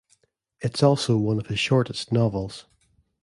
It's also one of his shortest novels.